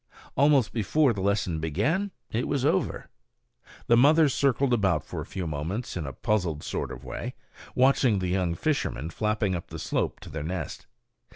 Almost before the lesson began it was over. The mother circled about for a few moments in a puzzled sort of way, watching the young fishermen flapping up the slope to their nest.